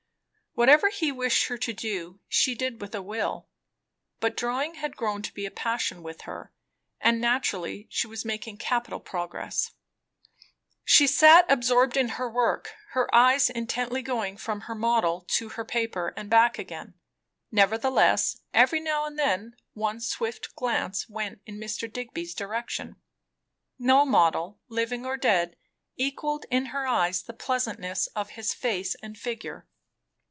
Whatever he wished her to do, she did with a will. But drawing had grown to be a passion with her, and naturally she was making capital progress. She sat absorbed in her work, her eyes intently going from her model to her paper and back again; nevertheless, every now and then one swift glance went in Mr. Digby's direction. No model, living or dead, equalled in her eyes the pleasantness of his face and figure.